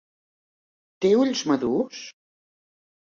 Té ulls madurs?